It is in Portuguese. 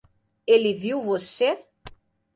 Ele viu você?